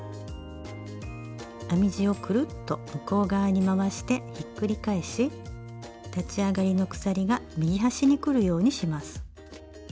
編み地をくるっと向こう側に回してひっくり返し立ち上がりの鎖が右端にくるようにします。